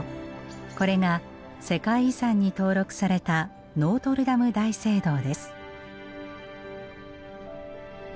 これが世界遺産に登録されたノートルダム大聖堂です。